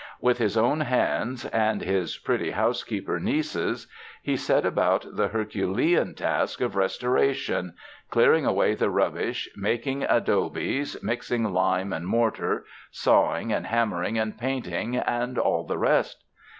With his own hands and his pretty housekeeper niece's, he set about the herculean task of restoration — clear 172 THE FRANCISCAN MISSIONS ing away the rubbish, making adobes, mixing lime and mortar, sawing and hammering and painting and all the rest.